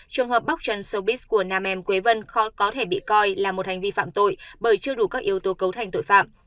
trường hợp bóc trần sobis của nam em quế vân khó có thể bị coi là một hành vi phạm tội bởi chưa đủ các yếu tố cấu thành tội phạm